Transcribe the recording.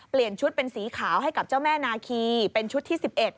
เปลี่ยนชุดเป็นสีขาวให้กับเจ้าแม่นาคีเป็นชุดที่๑๑